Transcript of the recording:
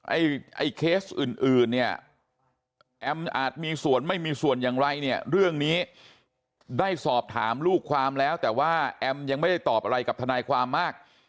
ไอ้เคสอื่นเนี่ยแอมอาจมีส่วนไม่มีส่วนอย่างไรเนี่ยเรื่องนี้ได้สอบถามลูกความแล้วแต่ว่าแอมยังไม่ได้ตอบอะไรกับทนายความมาก